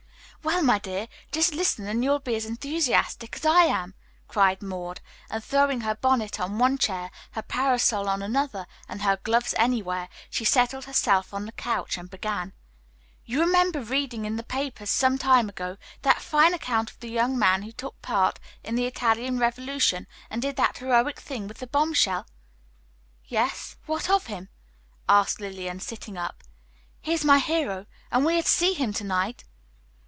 "Well my, dear, just listen and you'll be as enthusiastic as I am," cried Maud. And throwing her bonnet on one chair, her parasol on another, and her gloves anywhere, she settled herself on the couch and began: "You remember reading in the papers, some time ago, that fine account of the young man who took part in the Italian revolution and did that heroic thing with the bombshell?" "Yes, what of him?" asked Lillian, sitting up. "He is my hero, and we are to see him tonight."